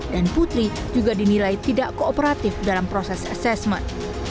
putri juga dinilai tidak kooperatif dalam proses asesmen